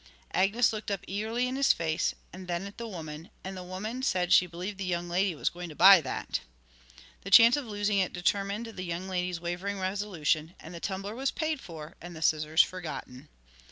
Agnes looked up eagerly in his face, and then at the woman; and the woman said she believed the young lady was going to buy that. The chance of losing it determined the young lady's wavering resolution, and the tumbler was paid for, and the scissors forgotten.